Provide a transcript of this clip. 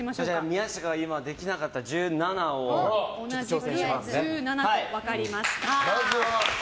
宮近が今できなかった１７に挑戦します。